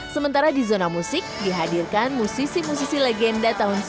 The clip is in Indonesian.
sementara di zona musik dihadirkan musisi musisi legenda tahun sembilan puluh